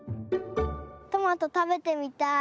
トマトたべてみたい。